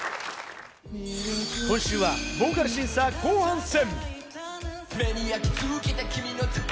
今週はボーカル審査後半戦。